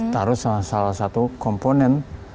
terus salah satu komponen